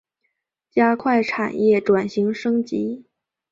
加快产业转型升级